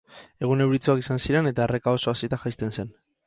Egun euritsuak izan ziren eta erreka oso hazita jaisten zen.